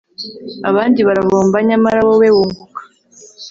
abandi barahomba nyamara wowe wunguka